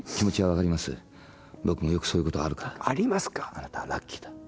あなたはラッキーだ。